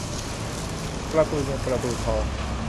ประตูเงินประตูทอง